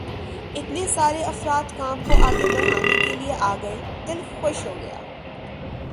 اتنے سارے افراد کام کو آگے بڑھانے کے لیے آ گئے، دل خوش ہو گیا۔